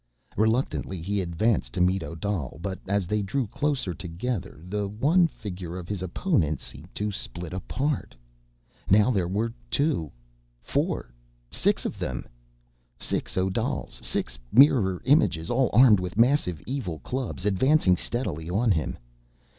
Reluctantly, he advanced to meet Odal. But as they drew closer together, the one figure of his opponent seemed to split apart. Now there were two, four, six of them. Six Odals, six mirror images, all armed with massive, evil clubs, advancing steadily on him.